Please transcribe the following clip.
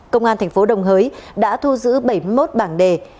công an tp đồng hới đã thu giữ bảy mươi một bảng đề